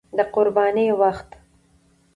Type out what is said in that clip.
د قربانۍ وخت